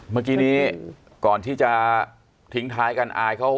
เมื่อกี้นี้ก่อนที่จะทิ้งท้ายกันอายเขา